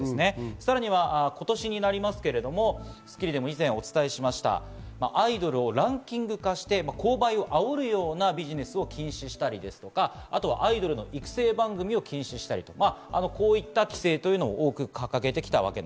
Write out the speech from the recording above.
さらに今年になりますけれど、以前お伝えしました、アイドルをランキング化して購買をあおるようなビジネスを禁止したり、アイドルの育成番組を禁止したり、こういった規制も多く掲げてきました。